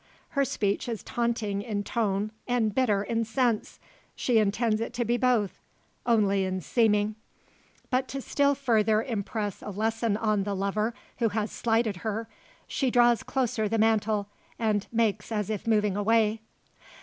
Her speech is taunting in tone, and bitter in sense. She intends it to be both only in seeming. But to still further impress a lesson on the lover who has slighted her, she draws closer the mantle, and makes as if moving away.